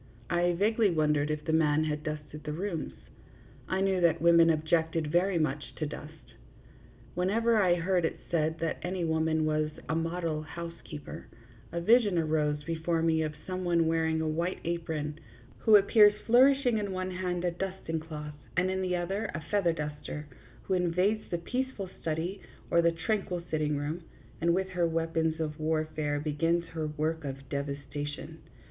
I vaguely wondered if the man had dusted the rooms. I knew that women objected very much to dust. Whenever I heard it said that any woman was " a model housekeeper " a vision arose before me of some one wearing a white apron, who appears flourishing in one hand a dusting cloth and in the other a feather duster ; who invades the peaceful study or the tranquil sitting room, and with her weapons of warfare begins her work of devastation.